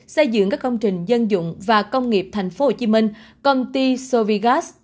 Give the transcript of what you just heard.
xây dựng các công trình dân dụng và công nghiệp thành phố hồ chí minh công ty sovigaz